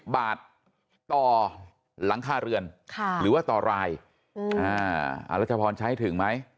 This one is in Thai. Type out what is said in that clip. ๑๕๐บาทต่อหลังค่าเรือนค่ะหรือว่าต่อรายอ่าอ่าแล้วจะพอใช้ให้ถึงไหม